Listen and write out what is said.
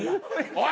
おい！